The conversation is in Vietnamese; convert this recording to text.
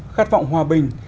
khát vọng hòa bình